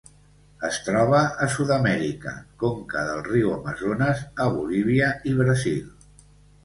Es troba a Sud-amèrica: conca del riu Amazones a Bolívia i Brasil.